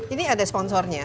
ini ada sponsornya